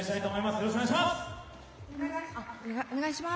よろしくお願いします。